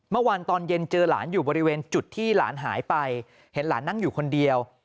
เมื่อวานตอนเย็นเจอหลานอยู่บริเวณจุดที่หลานหายไปเห็นหลานนั่งอยู่คนเดียว